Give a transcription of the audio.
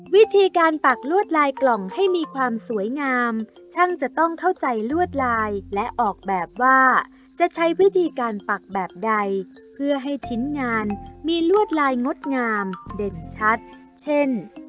วิธีการปักลวดลายกล่องให้มีความสวยงามช่างจะต้องเข้าใจลวดลายและออกแบบว่าจะใช้วิธีการปักแบบใดเพื่อให้ชิ้นงานมีลวดลายงดงามเด่นชัดเช่น